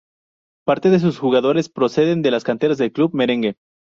Parte de sus jugadores proceden de las canteras del club merengue.